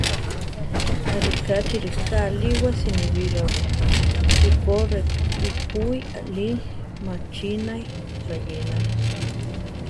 Ariká chi riká aliwá siníbi rawé: chiko re ukúi alí machinái rayénali.